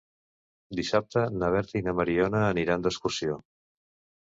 Dissabte na Berta i na Mariona aniran d'excursió.